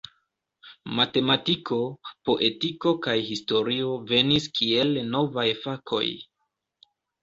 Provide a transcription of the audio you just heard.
Matematiko, poetiko kaj historio venis kiel novaj fakoj.